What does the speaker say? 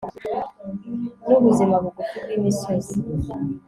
n'ubuzima bugufi bwimisozi